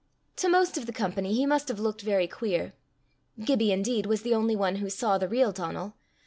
To most of the company he must have looked very queer. Gibbie, indeed, was the only one who saw the real Donal.